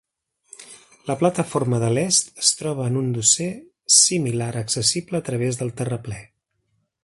La plataforma de l'est es troba en un dosser similar accessible a través del terraplè.